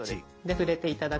触れて頂くと